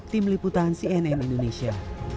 tim liputan cnn indonesia